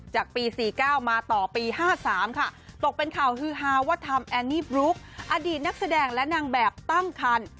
จากปี๔๙มาต่อปี๕๓ค่ะตกเป็นข่าวฮือฮาว่าทำแอนนี่บลุ๊กอดีตนักแสดงและนางแบบตั้งคัน